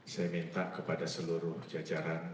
saya minta kepada seluruh jajaran